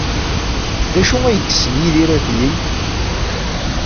D acu ay yessen Yidir ad yeg?